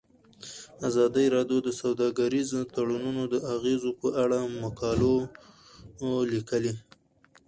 ازادي راډیو د سوداګریز تړونونه د اغیزو په اړه مقالو لیکلي.